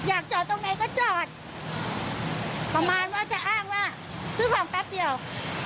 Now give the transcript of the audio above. อยากจอดตรงไหนก็จอดประมาณว่าจะอ้างว่าซื้อของแป๊บเดียว